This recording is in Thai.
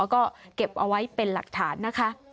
แล้วก็เก็บเอาไว้เป็นหลักฐานนะคะ